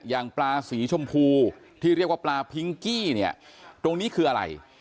อย่างปลาสีชมพูที่เรียกว่าปลาพิงกี้เนี่ยตรงนี้คืออะไร